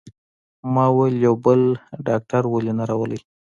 ما وویل: یو بل ډاکټر ولې نه راولئ؟